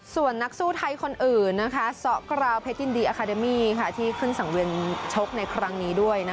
ส่วนนักสู้ไทยคนอื่นซ้อกราวเพชรยินดีอาคาเดมี่ที่ขึ้นสังเวียนชกในครั้งนี้ด้วย